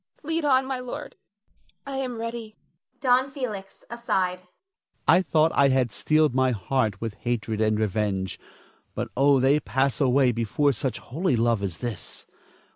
Lead on, my lord, I am ready. Don Felix [aside]. I thought I had steeled my heart with hatred and revenge; but oh, they pass away before such holy love as this.